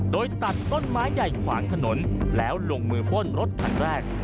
โดยตัดต้นไม้ใหญ่ขวางถนนแล้วลงมือป้นรถคันแรก